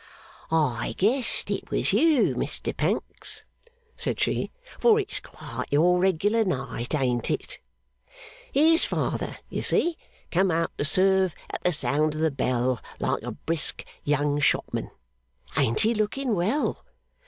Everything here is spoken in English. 'I guessed it was you, Mr Pancks,' said she, 'for it's quite your regular night; ain't it? Here's father, you see, come out to serve at the sound of the bell, like a brisk young shopman. Ain't he looking well?